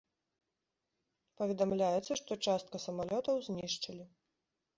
Паведамляецца што частка самалётаў знішчылі.